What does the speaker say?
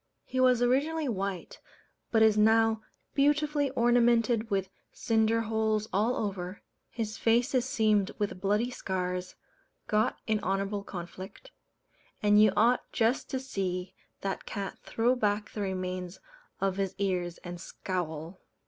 He was originally white, but is now beautifully ornamented with cinder holes all over; his face is seamed with bloody scars, got in honourable conflict; and you ought just to see that cat throw back the remains of his ears and scowl.